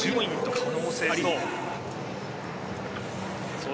可能性はありそう。